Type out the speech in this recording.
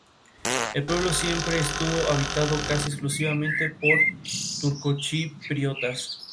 Sus cuatro integrantes son: Luis Prado, Paco Tamarit, Alejandro Climent "Boli" y Eduardo Olmedo.